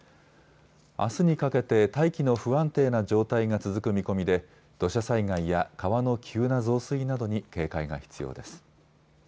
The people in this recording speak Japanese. あすにかけて大気の不安定な状態が続く見込みで土砂災害や川の急な増水などに警戒が必要です。